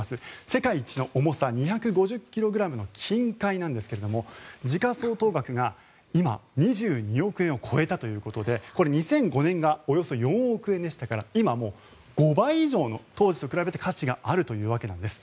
世界一の重さ２５０ｋｇの金塊なんですが時価相当額が今２２億円を超えたということでこれは２００５年がおよそ４億円でしたから今、当時と比べて５倍以上の価値があるというわけです。